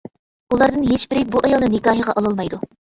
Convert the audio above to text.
ئۇلاردىن ھېچبىرى بۇ ئايالنى نىكاھىغا ئالالمايدۇ.